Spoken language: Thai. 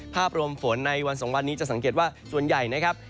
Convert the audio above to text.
ภาพรวมฝนในวันสองวันนี้จะสังเกตว่าส่วนใหญ่นะครับ